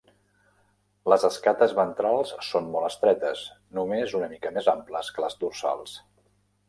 Les escates ventrals són molt estretes, només una mica més amples que les dorsals.